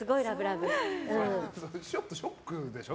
ちょっとショックでしょ？